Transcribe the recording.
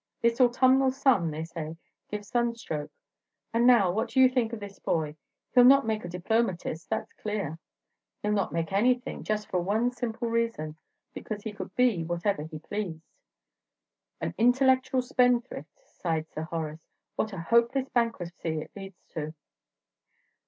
This autumnal sun, they say, gives sunstroke. And now what do you think of this boy? He'll not make a diplomatist, that's clear." "He 'll not make anything, just for one simple reason, because he could be whatever he pleased." "An intellectual spendthrift," sighed Sir Horace "What a hopeless bankruptcy it leads to!"